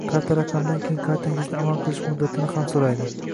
Karta raqamdan keyin kartangizni amal qilish muddatini ham so‘raydi